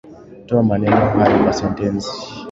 Toa maneno hayo kwa sentensi